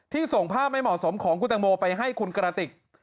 ส่งภาพไม่เหมาะสมของคุณตังโมไปให้คุณกระติก